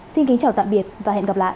xin kính chào tạm biệt và hẹn gặp lại